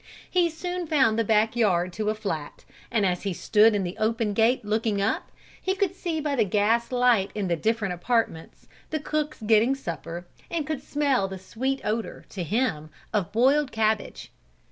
He soon found the back yard to a flat and as he stood in the open gate looking up, he could see by the gas light in the different apartments, the cooks getting supper, and could smell the sweet odor, to him, of boiled cabbage.